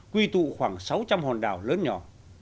quy tụ khoảng sáu trăm linh hòn đảo lớn nhỏ